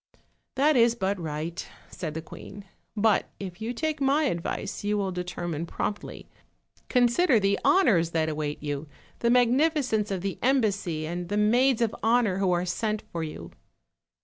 "That is but right," said the queen; "but if you take my advice you will determine promptly; consider the honors that await you, the magnificence of the embassy, and the maids of honor who are sent for yoy."